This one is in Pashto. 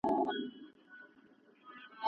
د ټولنې د بدلون پروسې څنګه تحلیل کیږي؟